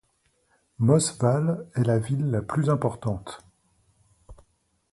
Moss Vale est la ville la plus importante.